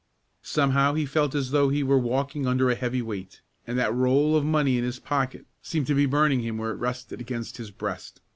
Somehow he felt as though he were walking under a heavy weight, and that roll of money in his pocket seemed to be burning him where it rested against his breast.